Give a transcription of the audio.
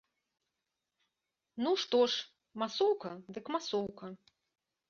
Ну што ж, масоўка, дык масоўка.